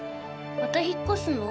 また引っ越すの？